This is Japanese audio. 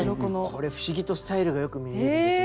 これ不思議とスタイルがよく見えるんですよ。